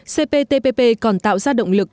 cptpp còn tạo ra động lực